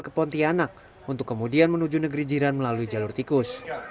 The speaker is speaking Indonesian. ke pontianak untuk kemudian menuju negeri jiran melalui jalur tikus